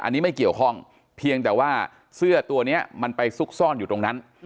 อันนี้ไม่เกี่ยวข้องเพียงแต่ว่าเสื้อตัวนี้มันไปซุกซ่อนอยู่ตรงนั้น